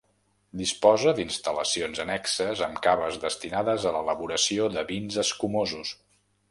Disposa d'instal·lacions annexes amb caves destinades a l'elaboració de vins escumosos.